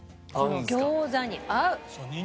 この餃子に合う！